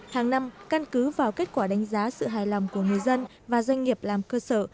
hàng năm căn cứ vào kết quả đánh giá sự hài lòng của người dân và doanh nghiệp làm cơ sở